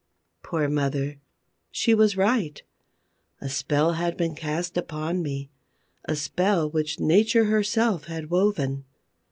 Poor mother! She was right. A spell had been cast upon me—a spell which Nature herself had woven.